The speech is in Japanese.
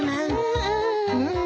うん。